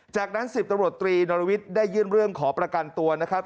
จากนั้น๑๐ตำรวจตรีนรวิทย์ได้ยื่นเรื่องขอประกันตัวนะครับ